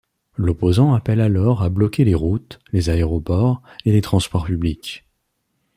L'opposant appelle alors à bloquer les routes, les aéroports et les transports publics.